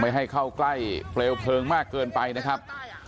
ไม่ให้เข้ากล้ายเวลาเผลิงมากเกินไปนะครับ